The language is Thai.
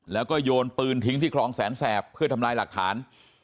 แล้วก็โยนปืนทิ้งที่คลองแสนแสบเพื่อทำลายหลักฐาน